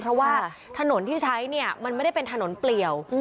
เพราะว่าถนนที่ใช้เนี่ยมันไม่ได้เป็นถนนเปลี่ยว